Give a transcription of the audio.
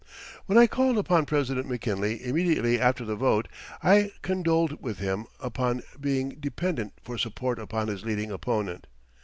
When I called upon President McKinley immediately after the vote, I condoled with him upon being dependent for support upon his leading opponent.